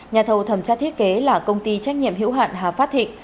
nhà thầu thầm chát thiết kế là công ty trách nhiệm hữu hạn hà phát thị